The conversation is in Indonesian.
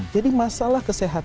jadi masalah kesehatan